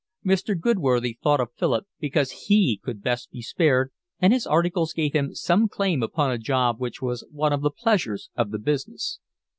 Mr. Goodworthy thought of Philip because he could best be spared, and his articles gave him some claim upon a job which was one of the pleasures of the business.